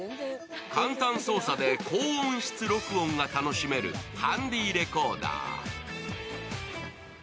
簡単操作で高音質録音が楽しめるハンディレコーダー。